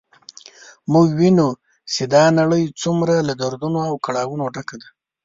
موږ وینو چې دا نړی څومره له دردونو او کړاوونو ډکه ده